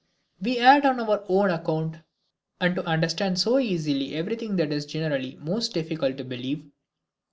We add on our own account "and to understand so easily everything that is generally most difficult to believe."